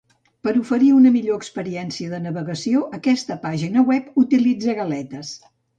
Per oferir una millor experiència de navegació, aquesta pàgina web utilitza galetes.